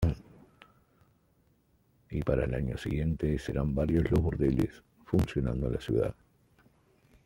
Y para el año siguiente serán varios los burdeles funcionando en la ciudad.